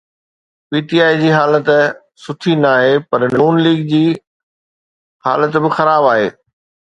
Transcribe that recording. P T I جي حالت سٺي ناهي پر نون ليگ جي حالت به خراب آهي.